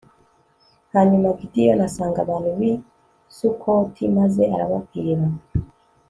hanyuma gideyoni asanga abantu b'i sukoti maze arababwira